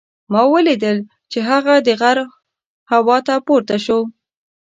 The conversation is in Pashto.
ما ولیدل چې هغه غر هوا ته پورته شو.